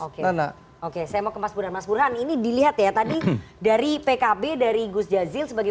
oke oke saya mau kemas pula mas burhan ini dilihat ya tadi dari pkb dari gus jazil sebagai